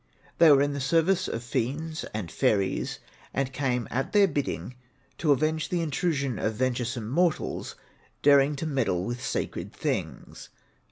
They were in the service of fiends and fairies, and came at their bidding to avenge the intrusion of venturesome mortals, daring to meddle with sacred things.